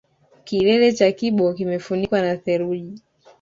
Kilele cha kibo kimefunikwa na theluji